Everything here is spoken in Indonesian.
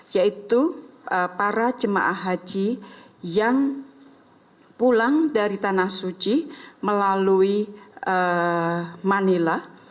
yaitu para jemaah haji yang pulang dari tanah suci melalui manila